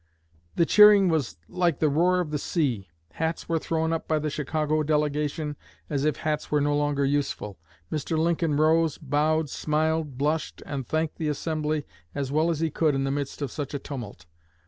'The cheering was like the roar of the sea. Hats were thrown up by the Chicago delegation, as if hats were no longer useful.' Mr. Lincoln rose, bowed, smiled, blushed, and thanked the assembly as well as he could in the midst of such a tumult.